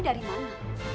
sebanyak ini dari mana